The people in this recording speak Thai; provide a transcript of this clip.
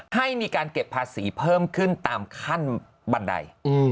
ให้มีการเก็บภาษีเพิ่มขึ้นตามขั้นบันได